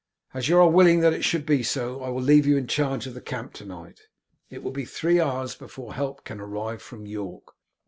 As you are willing that it should be so, I will leave you in charge of the camp to night. It will be three hours before help can arrive from York.